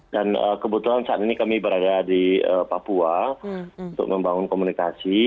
dan kebetulan saat ini kami berada di papua untuk membangun komunikasi